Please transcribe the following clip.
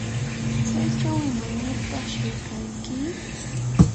¿tsaychaw imanirtaq shaykanki?